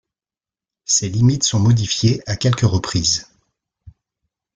Ses limites sont modifiées à quelques reprises.